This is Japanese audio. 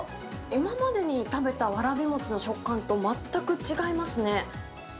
今までに食べたわらび餅の食感と全く違いますね。